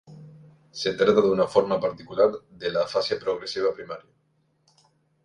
Se trata de una forma particular de la afasia progresiva primaria.